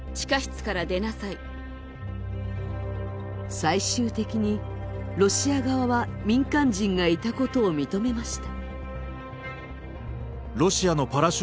最終的にロシア側は民間人がいたことを認めました。